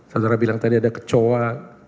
saudara bilang tadi ada kecoa